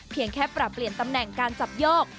แค่ปรับเปลี่ยนตำแหน่งการจับโยก